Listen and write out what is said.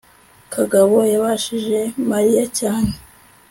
kagabo yabajije mariya cyane